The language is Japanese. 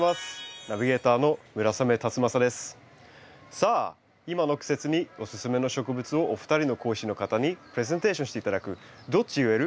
さあ今の季節におすすめの植物をお二人の講師の方にプレゼンテーションして頂く「どっち植える？」